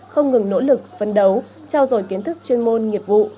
không ngừng nỗ lực phân đấu trao dồi kiến thức chuyên môn nghiệp vụ